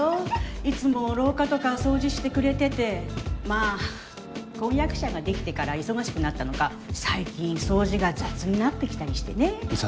いつも廊下とか掃除してくれててまあ婚約者ができてから忙しくなったのか最近掃除が雑になってきたりしてね雑？